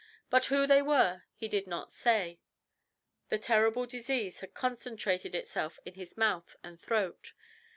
But who they were he did not say. The terrible disease had concentrated itself in his mouth and throat.